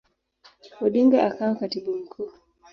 Odinga akawa Katibu Mkuu.